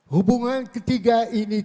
hubungan ketiga ini